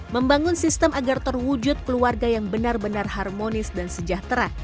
membangun sistem agar terwujud keluarga yang benar benar harmonis dan sejahtera